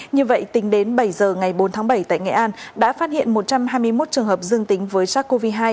như vậy tính đến bảy giờ ngày bốn tháng bảy tại nghệ an đã phát hiện một trăm hai mươi một trường hợp dương tính với sars cov hai